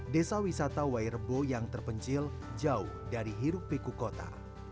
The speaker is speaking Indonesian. desa wisata wairebo yang terpencil jauh dari hiruk piku kota